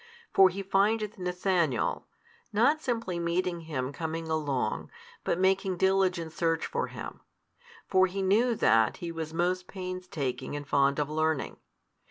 For he findeth Nathanael, not simply meeting him coming along, but making diligent search for him. For he knew that he was most painstaking and fond of learning.